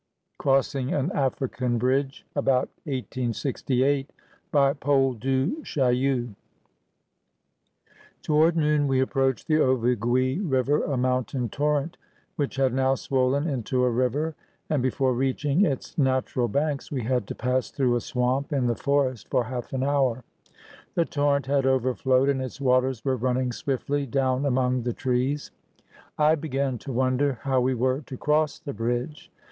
CROSSING AN AFRICAN BRIDGE [About 1868] BY PAUL DU CHAILLU Toward noon we approached the Ovigui River, a moun tain torrent which had now swollen into a river, and be fore reaching its natural banks we had to pass through a swamp in the forest for half an hour. The torrent had overflowed, and its waters were running swiftly down among the trees. I began to wonder how we were to cross the bridge.